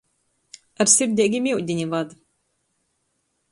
Ar sirdeigim iudini vad!